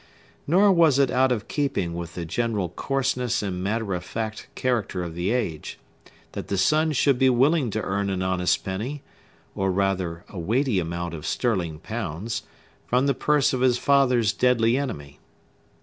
Nor was it out of keeping with the general coarseness and matter of fact character of the age, that the son should be willing to earn an honest penny, or, rather, a weighty amount of sterling pounds, from the purse of his father's deadly enemy.